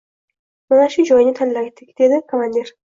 — Mana shu joyni tanladik, — dedi komandir.